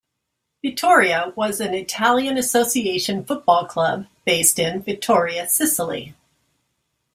Vittoria was an Italian association football club, based in Vittoria, Sicily.